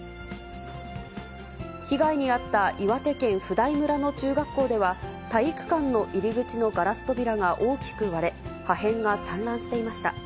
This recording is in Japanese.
被害に遭った岩手県普代村の中学校では、体育館の入り口のガラス扉が大きく割れ、破片が散乱していました。